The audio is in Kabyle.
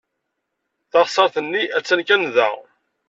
Taɣsert-nni attan kan da.